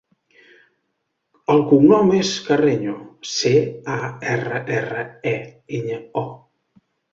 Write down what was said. El cognom és Carreño: ce, a, erra, erra, e, enya, o.